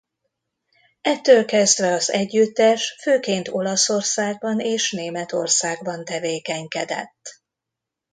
Ettől kezdve az együttes főként Olaszországban és Németországban tevékenykedett.